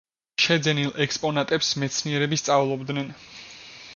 შეძენილ ექსპონატებს მეცნიერები სწავლობდნენ.